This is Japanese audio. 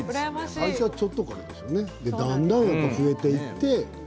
最初はちょっとなんですねだんだん増えていって。